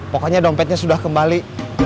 pokoknya dompetnya sudah kembali